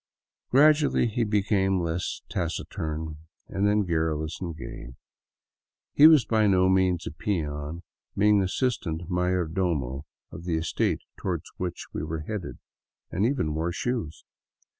Gradually he became less taciturn, then garrulous and gay. He was by no means a peon, being assistant mayordomo of the estate toward which we were headed, and even wore shoes.